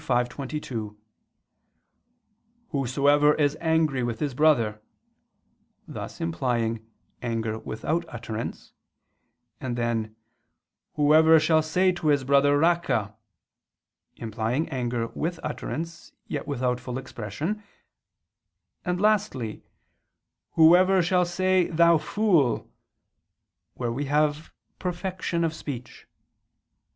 5:22): "Whosoever is angry with his brother" (thus implying "anger without utterance"), and then, "whosoever shall say to his brother, 'Raca'" (implying anger with utterance yet without full expression), and lastly, "whosoever shall say 'Thou fool'" (where we have "perfection of speech").